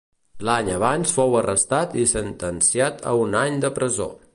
L'any abans fou arrestat i sentenciat a un any de presó.